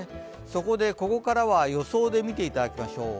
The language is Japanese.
そこで、ここからは予想で見ていただきましょう。